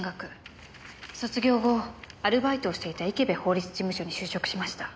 卒業後アルバイトをしていた池辺法律事務所に就職しました。